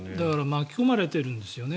巻き込まれているんですよね。